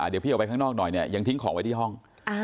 เดี๋ยวพี่ออกไปข้างนอกหน่อยเนี่ยยังทิ้งของไว้ที่ห้อง